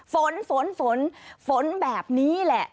ฝนฝนแบบนี้แหละ